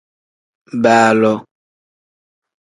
Baaloo.